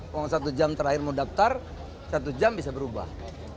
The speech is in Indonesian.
kalau satu jam terakhir mau daftar satu jam bisa berubah